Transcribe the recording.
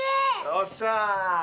よっしゃあ！